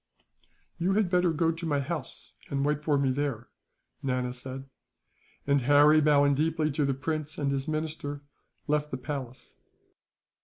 "You had better go to my house, and wait for me there," Nana said; and Harry, bowing deeply to the prince and his minister, left the palace.